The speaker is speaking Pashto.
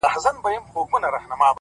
سم ليونى سوم!!